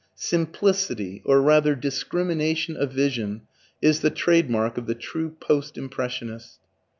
Simplicity or rather discrimination of vision is the trademark of the true Post Impressionist.